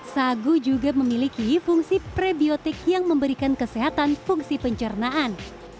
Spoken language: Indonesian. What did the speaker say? sagu juga memiliki fungsi prebiotik yang memberikan kesehatan fungsi pencernaan